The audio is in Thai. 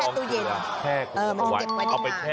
แนะนำนะ